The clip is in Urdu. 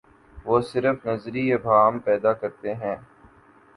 وہ صرف نظری ابہام پیدا کرتے ہیں۔